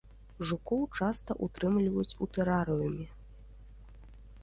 Жукаў часта ўтрымліваюць у тэрарыуме.